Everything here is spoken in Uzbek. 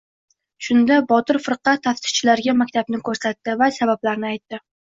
Shunda, Botir firqa taftishchilarga maktabni ko‘rsatdi. Vaj-sabablarini aytdi.